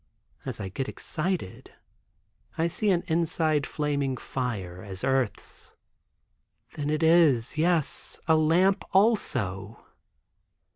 As I get excited, I see an inside flaming fire, as earth's. Then it is—yes, a lamp, also.